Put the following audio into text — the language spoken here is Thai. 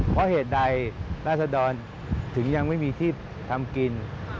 เพราะเหตุใดราษดรถึงยังไม่มีที่ทำกิน